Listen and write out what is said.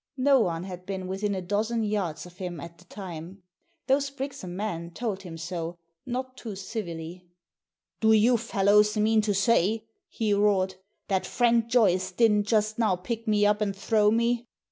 No one had been within a dozen yards of him at the time. Those Brixham men told him so— not too civilly. " Do you fellows mean to say," he roared, " that Frank Joyce didn't just now pick me up and throw me?"